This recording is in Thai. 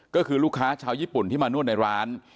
ก็คือลูกค้าชาวญี่ปุ่นที่มานวดในร้าน